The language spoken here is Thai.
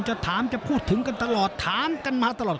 จะถามจะพูดถึงกันตลอดถามกันมาตลอด